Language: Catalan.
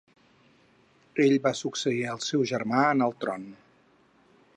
Ell va succeir al seu germà en el tron.